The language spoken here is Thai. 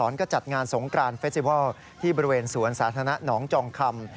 ก็จัดงานสงกรานเฟสติวัลที่บริเวณสวนสาธารณะหนองจองคำ